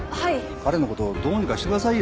彼のことどうにかしてくださいよ。